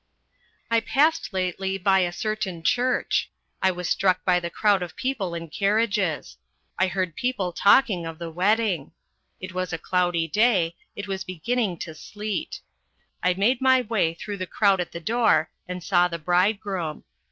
... I passed lately by a certain church ; I was struck by the crowd of people in carriages. I heard people talking of the wedding. It was a cloudy day, it was beginning to sleet. I made my way through the crowd at the door and saw the bridegroom.